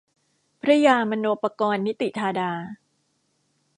พระยามโนปกรณ์นิติธาดา